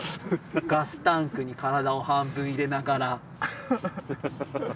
ガスタンクに体を半分入れながら。